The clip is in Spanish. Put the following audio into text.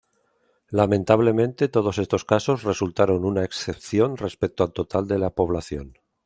Lamentablemente todos estos casos resultaron una excepción respecto al total de la población.